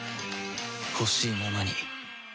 ほしいままに